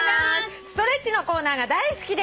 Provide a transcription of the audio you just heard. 「ストレッチのコーナーが大好きです」